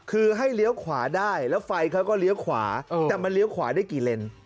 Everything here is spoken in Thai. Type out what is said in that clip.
คือให้เลี้ยวขวาได้แล้วไฟเขาก็เลี้ยวขวาแต่มันเลี้ยวขวาได้กี่เลน